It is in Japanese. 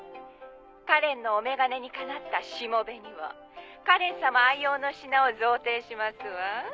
「カレンのお眼鏡にかなったしもべにはカレン様愛用の品を贈呈しますわ」